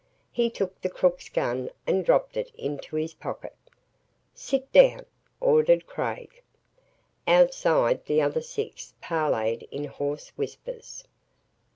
He took the crook's gun and dropped it into his pocket. "Sit down!" ordered Craig. Outside, the other six parleyed in hoarse whispers.